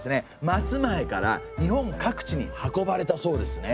松前から日本各地に運ばれたそうですね。